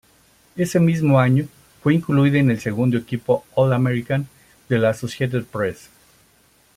Ese mismo año fue incluido en el segundo equipo All-American de la Associated Press.